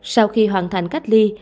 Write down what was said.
sau khi hoàn thành cách ly